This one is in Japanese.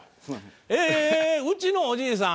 「えーうちのおじいさん